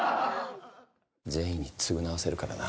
「全員に償わせるからな」